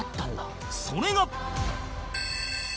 それが